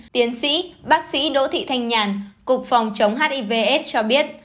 tiến sĩ bác sĩ đỗ thị thanh nhàn cục phòng chống hiv aids cho biết